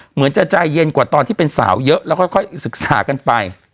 เหมือนจะใจเย็นกว่าตอนที่เป็นสาวเยอะแล้วค่อยศึกษากันไป